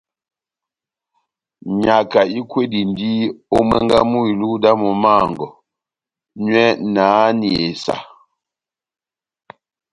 Nyaka ikwedindini ó mwángá mú iluhu dá momó wɔngɔ, nyɔ na háhani esa.